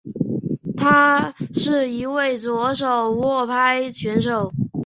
他是一位右手握拍选手。